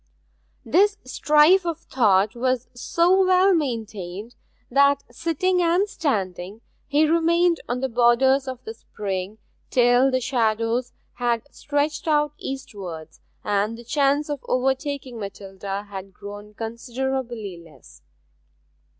This strife of thought was so well maintained that sitting and standing, he remained on the borders of the spring till the shadows had stretched out eastwards, and the chance of overtaking Matilda had grown considerably less.